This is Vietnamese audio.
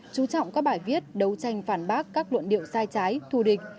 chú trọng các bài viết đấu tranh phản bác các luận điệu sai trái thù địch